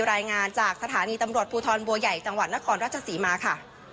รายงานจากสถานีตำรวจภูทรบัวใหญ่จังหวัดนครราชศรีมาค่ะ